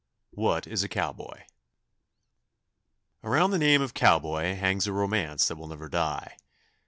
WHAT IS A COWBOY? Around the name of cowboy hangs a romance that will never die.